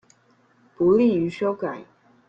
不利於修改